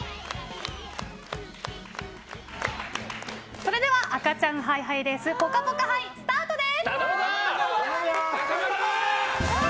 それでは赤ちゃんハイハイレースぽかぽか杯スタートです！